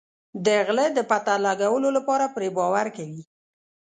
د غله د پته لګولو لپاره پرې باور کوي.